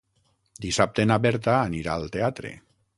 Dissabte na Berta anirà al teatre.